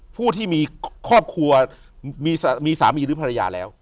ผู้ที่มีครอบครัวมีสามีหรือภรรยาแล้ว